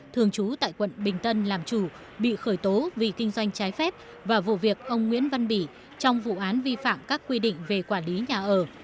thường trú tại quận bình tân làm chủ bị khởi tố vì kinh doanh trái phép và vụ việc ông nguyễn văn bỉ trong vụ án vi phạm các quy định về quản lý nhà ở